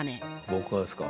僕がですか？